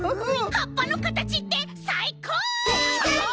はっぱのかたちってさいこう！